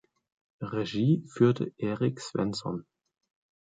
Regie führte Eirik Svensson.